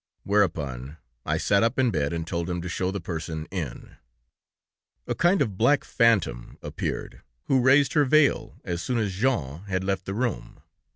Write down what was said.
Whereupon, I sat up in bed and told him to show the person in. "A kind of black phantom appeared, who raised her veil as soon as Jean had left the room.